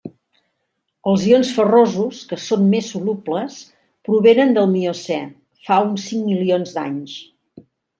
Els ions ferrosos que són més solubles provenen del Miocè fa uns cinc milions d'anys.